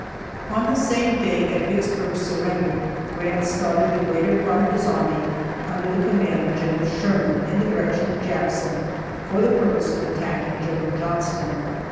On the same day that Vicksburg surrendered Grant started the greater part of his army, under the command of Gen. Sherman, in the direction of Jackson for the purpose of attacking Gen. Johnston.